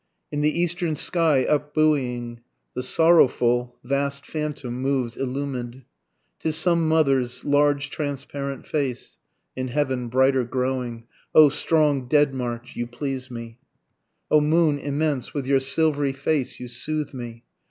In the eastern sky up buoying, The sorrowful vast phantom moves illumin'd, ('Tis some mother's large transparent face, In heaven brighter growing.) O strong dead march you please me! O moon immense with your silvery face you soothe me!